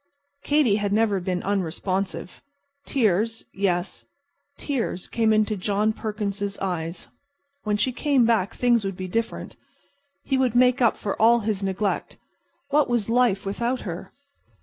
Katy had never been unresponsive. Tears:—yes, tears—came into John Perkins's eyes. When she came back things would be different. He would make up for all his neglect. What was life without her?